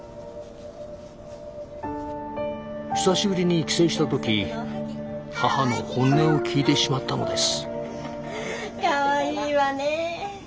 久しぶりに帰省した時母の本音を聞いてしまったのです。